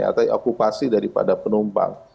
atau okupasi daripada penumpang